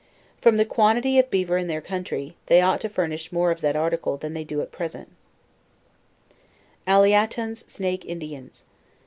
From the quantity of beaver in their country, they onghtto furnish more of that article than they do at present. ALIATONS SNAKE INDIANS.